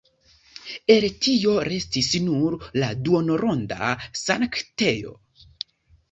El tio restis nur la duonronda sanktejo.